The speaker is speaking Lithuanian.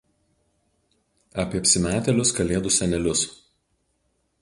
apie apsimetėlius Kalėdų Senelius